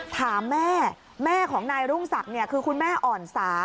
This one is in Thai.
ถามแม่แม่ของนายรุ่งศักดิ์คือคุณแม่อ่อนสา